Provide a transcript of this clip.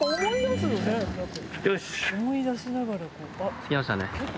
着きましたね。